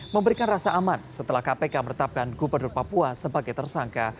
memberikan rasa aman setelah kpk meretapkan gubernur papua sebagai tersangka